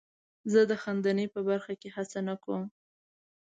زه د خندنۍ په برخه کې هڅه نه کوم.